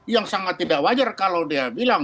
yang sangat tidak wajar kalau dia bilang